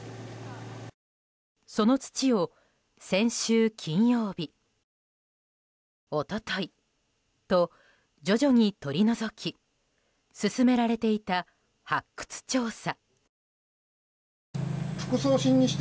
その土を先週金曜日一昨日と徐々に取り除き進められていた発掘調査。